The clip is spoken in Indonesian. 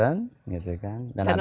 dan orang juga bisa berwisata